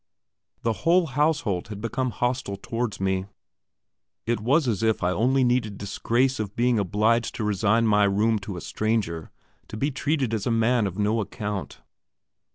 The whole household had become hostile towards me. It was as if I had only needed disgrace of being obliged to resign my room to a stranger to be treated as a man of no account.